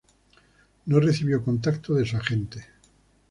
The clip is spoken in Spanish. No recibió contacto de su agente.